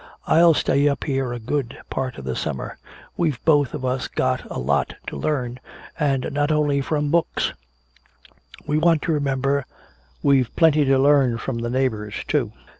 I'll stay up here a good part of the summer. We've both of us got a lot to learn and not only from books we want to remember we've plenty to learn from the neighbors, too.